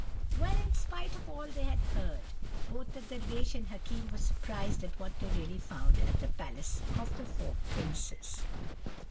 "Well, in spite of all they had heard, both the Dervish and Hakim were surprised at what they really found at the palace of the four princes.